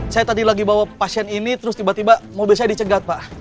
saya tadi lagi bawa pasien ini terus tiba tiba mobil saya dicegat pak